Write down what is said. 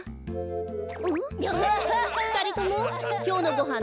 ふたりともきょうのごはん